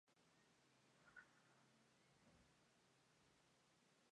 Estas deudas son la manifestación de una voluntad desarrolladora.